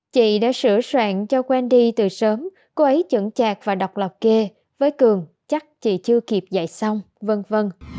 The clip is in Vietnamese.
chị đã sửa soạn cho wendy từ sớm cô ấy chững chạc và đọc lọc kê với cường chắc chị chưa kịp dạy xong v v